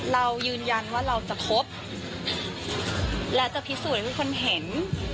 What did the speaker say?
เรายืนยันว่าเราจะครบและจะพิสูจน์ให้คนเห็น